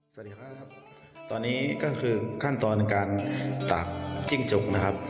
สวัสดีครับตอนนี้ก็คือขั้นตอนการตากจิ้งจกนะครับ